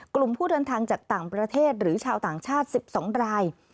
กลุ่มผู้เดินทางจากต่างประเทศหรือชาวต่างชาติ๑๒ราย